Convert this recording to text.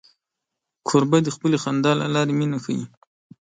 کوربه د خپلې خندا له لارې مینه ښيي.